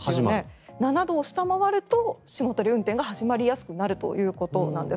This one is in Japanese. ７度を下回ると霜取り運転が始まりやすくなるということです。